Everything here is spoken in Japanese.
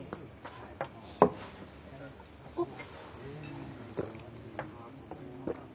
あっ。